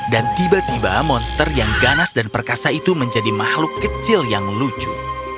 dan tiba tiba monster yang ganas dan perkasa itu menjadi makhluk kecil yang lucu